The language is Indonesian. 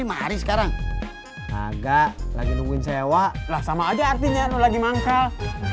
lima hari sekarang agak lagi nungguin sewa lah sama aja artinya lo lagi manggal